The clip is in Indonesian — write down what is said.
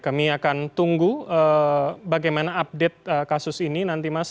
kami akan tunggu bagaimana update kasus ini nanti mas